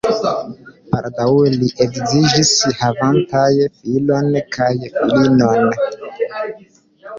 Baldaŭe li edziĝis, havantaj filon kaj filinon.